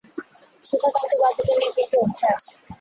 সুধাকান্তবাবুকে নিয়ে তিনটি অধ্যায় আছে।